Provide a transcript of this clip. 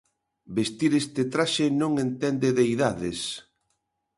Vestir este traxe non entende de idades.